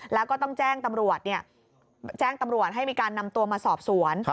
แล้วก็ต้องแจ้งตำรวจให้มีการนำตัวมาสอบสวน